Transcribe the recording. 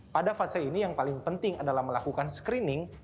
pada fase ini yang paling penting adalah melakukan screening